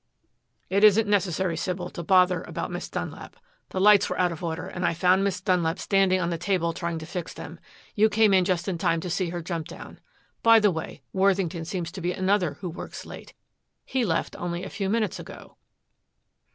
"It isn't necessary, Sybil, to bother about Miss Dunlap. The lights were out of order and I found Miss Dunlap standing on the table trying to fix them. You came just in time to see her jump down. By the way, Worthington seems to be another who works late. He left only a few minutes ago."